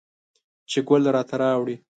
چې ګل راته راوړي